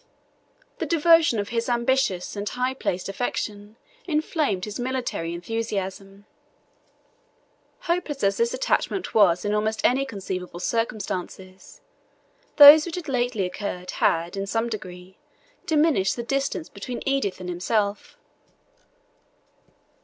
The devotion of his ambitious and high placed affection inflamed his military enthusiasm. Hopeless as that attachment was in almost any conceivable circumstances, those which had lately occurred had, in some degree, diminished the distance between Edith and himself.